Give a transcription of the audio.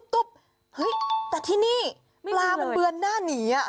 เฮ้ยแต่ที่นี่ปลามันเบือนหน้าหนีอ่ะ